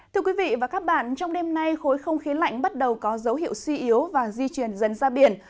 thưa quý vị và các bạn trong đêm nay khối không khí lạnh bắt đầu có dấu hiệu suy yếu và di chuyển dần ra biển